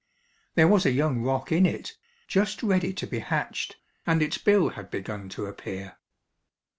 There was a young roc in it, just ready to be hatched, and its bill had begun to appear.